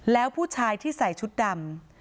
แล้วผู้ชายที่ใส่ชุดดำ